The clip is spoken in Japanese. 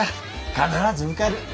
必ず受かる！